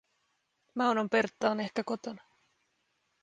Maunon Pertta on ehkä kotona.